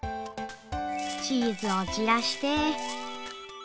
チーズを散らして。